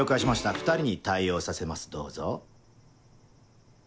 ２人に対応させますどうぞ。